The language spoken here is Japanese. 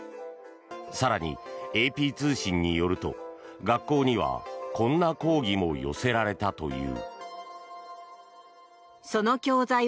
更に、ＡＰ通信によると学校にはこんな抗議も寄せられたという。